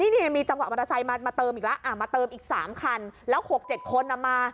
นี่มีจังหวะมอเตอร์ไซค์มาเติมอีกแล้วมาเติมอีก๓คันแล้ว๖๗คนมา